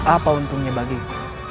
apa untungnya bagiku